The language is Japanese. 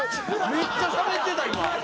めっちゃしゃべってた今！